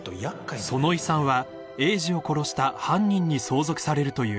［その遺産は栄治を殺した犯人に相続されるという］